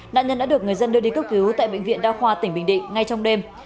nạn nhân đã được người dân đưa đi cấp cứu tại bệnh viện đa khoa tỉnh bình định ngay trong đêm